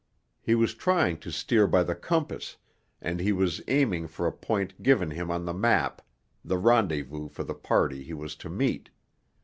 He was trying to steer by the compass, and he was aiming for a point given him on the map, the rendezvous for the party he was to meet.